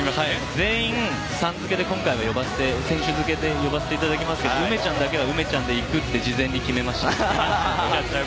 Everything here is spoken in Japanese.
全員、敬意を込めてさんづけで呼ばせていただきますが梅ちゃんだけは梅ちゃんでいくって事前に決めました。